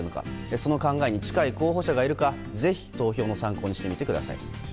その考えに近い候補者がいるかぜひ投票の参考にしてみてください。